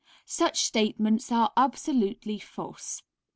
Such statements are absolutely false.